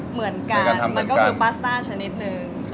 เหมือนกันมันก็คือพาสต้าชนิดนึง